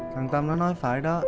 thằng tâm nó nói phải đó